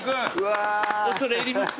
恐れ入ります。